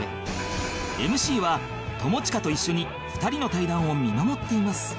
ＭＣ は友近と一緒に２人の対談を見守っています